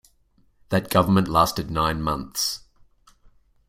That government lasted nine months.